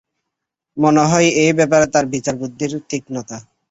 মনে হয় এ ব্যাপারে তার বিচারবুদ্ধির তীক্ষ্ণতা।